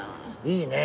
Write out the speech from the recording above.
いいね。